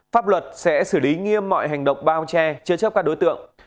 pháp luật sẽ xử lý nghiêm mọi hành động bao che chế chấp các đối tượng